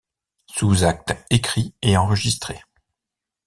Sous acte écrit et enregistré.